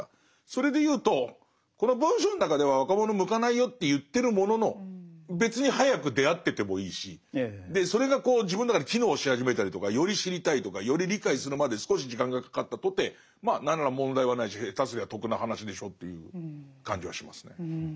それで言うとこの文章の中では若者に向かないよって言ってるものの別に早く出会っててもいいしそれが自分の中で機能し始めたりとかより知りたいとかより理解するまで少し時間がかかったとてまあ何ら問題はないし下手すりゃ得な話でしょという感じはしますね。